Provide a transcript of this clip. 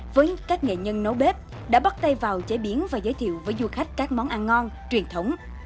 với các nghệ nhân nấu bếp đã bắt tay vào chế biến và giới thiệu với du khách các món ăn ngon truyền thống